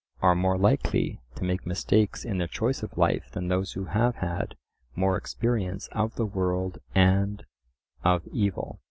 are more likely to make mistakes in their choice of life than those who have had more experience of the world and of evil.